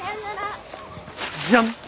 じゃん！